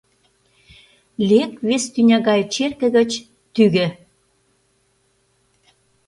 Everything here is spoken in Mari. Лек вес тӱня гае черке гыч — тӱгӧ!